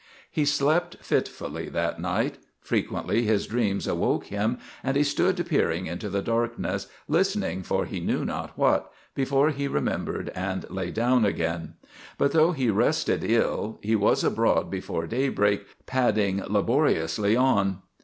He slept fitfully that night. Frequently his dreams awoke him and he stood peering into the darkness, listening for he knew not what, before he remembered and lay down again. But though he rested ill, he was abroad before daybreak, padding laboriously on.